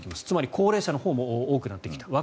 つまり高齢者のほうも多くなってきた。